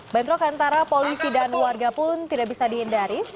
bentrok antara polisi dan warga pun tidak bisa dihindari